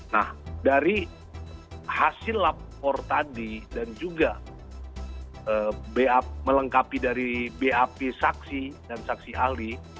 nah dari hasil lapor tadi dan juga melengkapi dari bap saksi dan saksi ahli